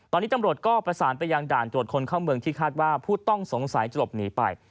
ตอนนี้ตำรวจก็ประสานไปยังด่านตรวจคนเข้าเมืองที่คาดว่าผู้ต้องสงสัยจะหลบหนีไป